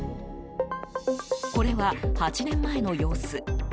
これは８年前の様子。